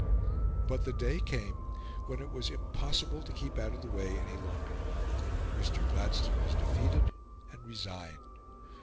But the day came when it was impossible to keep out of the way any longer. Mr. Gladstone was defeated, and resigned.